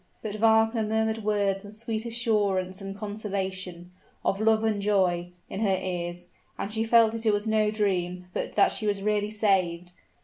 But Wagner murmured words of sweet assurance and consolation of love and joy, in her ears; and she felt that it was no dream, but that she was really saved!